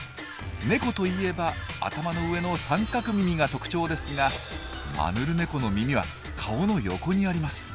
ネコといえば頭の上の三角耳が特徴ですがマヌルネコの耳は顔の横にあります。